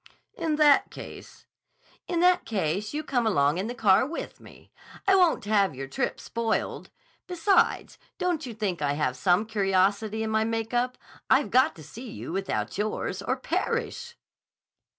"In that case—" "In that case, you come along in the car with me. I won't have your trip spoiled. Besides, don't you think I have some curiosity in my make up? I've got to see you without yours, or perish!"